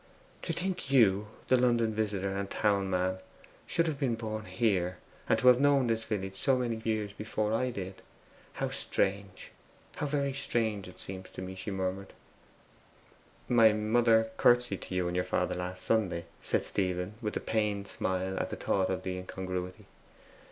'To think YOU, the London visitor, the town man, should have been born here, and have known this village so many years before I did. How strange how very strange it seems to me!' she murmured. 'My mother curtseyed to you and your father last Sunday,' said Stephen, with a pained smile at the thought of the incongruity.